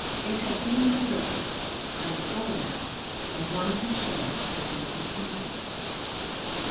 It had been the look, I saw now, of one who shared a guilty secret.